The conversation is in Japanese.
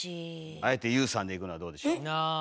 あえてＹＯＵさんでいくのはどうでしょう？